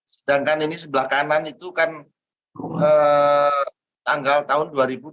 sedangkan ini sebelah kanan itu kan tanggal tahun dua ribu dua puluh